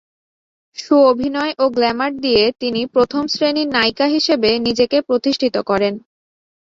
সুঅভিনয় ও গ্ল্যামার দিয়ে তিনি প্রথম শ্রেণীর নায়িকা হিসেবে নিজেকে প্রতিষ্ঠিত করেন।